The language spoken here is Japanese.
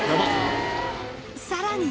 さらに。